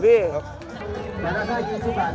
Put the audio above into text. มันไม่ได้การกินซุปราณ